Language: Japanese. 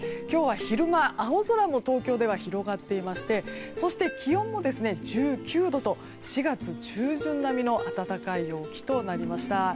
今日は昼間、青空も東京では広がっていましてそして気温も１９度と４月中旬並みの暖かい陽気となりました。